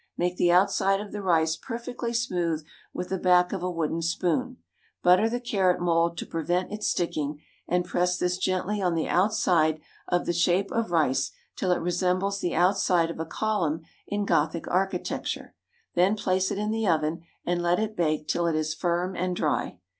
Make the outside of the rice perfectly smooth with the back of a wooden spoon. Butter the carrot mould to prevent it sticking, and press this gently on the outside of the shape of rice till it resembles the outside of a column in Gothic architecture, then place it in the oven and let it bake till it is firm and dry.